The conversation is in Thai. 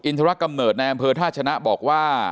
ทรกำเนิดในอำเภอท่าชนะบอกว่า